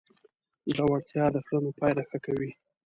زړورتیا د کړنو پایله ښه کوي.